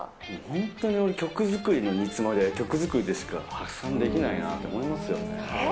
本当に俺、曲作りでの煮詰まりは曲作りでしか発散できないなと思いますよね。